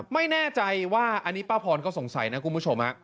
ใครว่าอันนี้ป้าพรก็สงสัยนะคุณผู้ชมฮะ